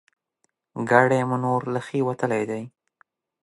ګاډی مو نور له ښې وتلی دی.